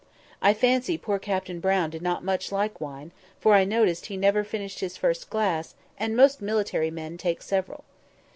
I fancy poor Captain Brown did not much like wine, for I noticed he never finished his first glass, and most military men take several.